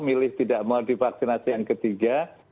milih tidak mau divaksinasi yang ketiga